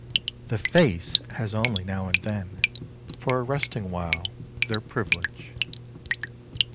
The face has only now and then, for a resting while, their privilege.